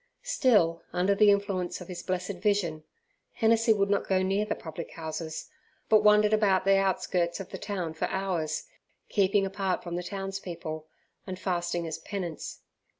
Still, under the influence of his blessed vision, Hennessey would not go near the public houses, but wandered about the outskirts of the town for hours, keeping apart from the townspeople, and fasting as penance.